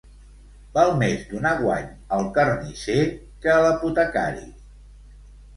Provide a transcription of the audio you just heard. Val més donar guany al carnisser que a l'apotecari.